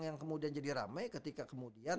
yang kemudian jadi rame ketika kemudian